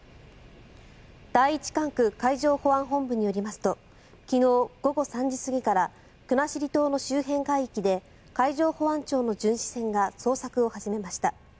第一管区海上保安本部によりますと昨日午後３時過ぎから国後島の周辺海域で海上保安庁の巡視船が捜索を始めました。